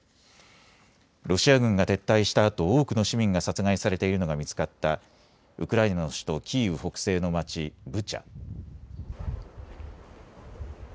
ロシア軍が撤退したあと多くの市民が殺害されているのが見つかったウクライナの首都キーウ北西の町、ブチャ。